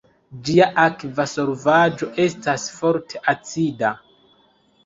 Ĝia akva solvaĵo estas forte acida.